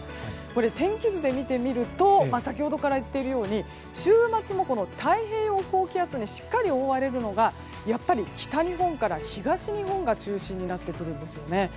天気図で見てみると先ほどから言っているとおり週末も太平洋高気圧にしっかり覆われるのがやっぱり北日本から東日本が中心になってくるんですね。